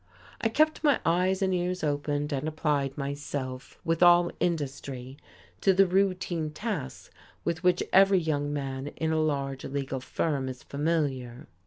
I kept my eyes and ears open, and applied myself, with all industry, to the routine tasks with which every young man in a large legal firm is familiar.